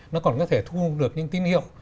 nó còn có thể thu được những tín hiệu